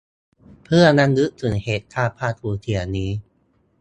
เพื่อรำลึกถึงเหตุการณ์ความศูนย์เสียนี้